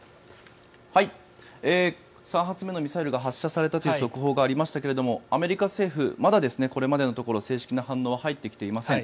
３発目のミサイルが発射されたという速報がありましたがアメリカ政府まだこれまでのところ正式な反応は入ってきていません。